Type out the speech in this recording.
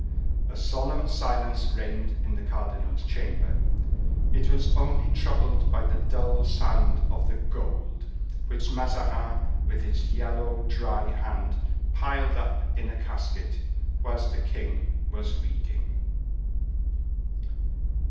A solemn silence reigned in the cardinal's chamber. It was only troubled by the dull sound of the gold, which Mazarin, with his yellow, dry hand, piled up in a casket, whilst the king was reading.